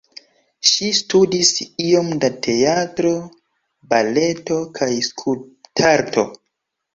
Ŝi studis iom da teatro, baleto kaj skulptarto.